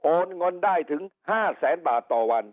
เงินได้ถึง๕แสนบาทต่อวัน